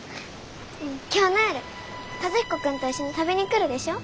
今日の夜和彦君と一緒に食べに来るでしょ。